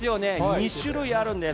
２種類あるんです。